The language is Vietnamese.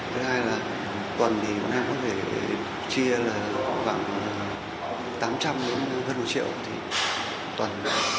thứ hai là tuần thì con em có thể chia khoảng tám trăm linh gần một triệu tuần